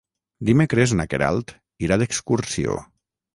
Dimecres na Queralt irà d'excursió.